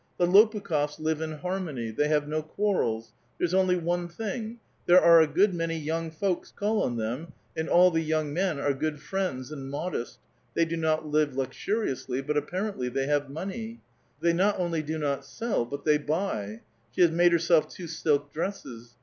'* The I^>pukh6fs live in harmony ; they have no quarrels ; there's only one thing : there are a good many young folks call on them, and all tlie young men are good friends and moilest. They do not live luxuriously ; but apparently I they have money. Tliey not only do not sell ; but the^ buy. She has made herself two silk dresses.